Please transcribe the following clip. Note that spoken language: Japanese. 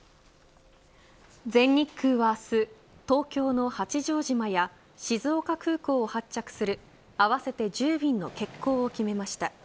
全日空は明日、東京の八丈島や静岡空港を発着する合わせて１０便の欠航を決めました。